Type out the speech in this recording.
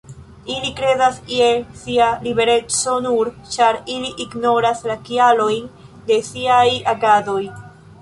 Ili kredas je sia libereco nur ĉar ili ignoras la kialojn de siaj agadoj.